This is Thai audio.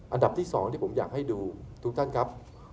อันดับที่๒ที่ผมอยากให้ดูทุกท่านครับ